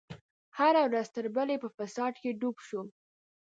هره ورځ تر بلې په فساد کې ډوب شو.